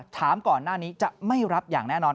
ถามก่อนหน้านี้จะไม่รับอย่างแน่นอน